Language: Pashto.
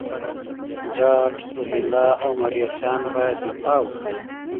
جاټ، روهیله او مرهټیان باید دفاع وکړي.